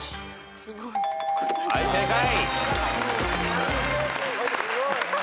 はい正解。